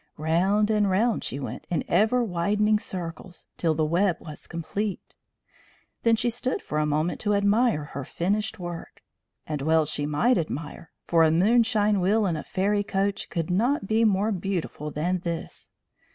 Round and round she went in ever widening circles, till the web was complete. Then she stood for a moment to admire her finished work. And well she might admire, for a moonshine wheel in a fairy coach could not be more beautiful than this.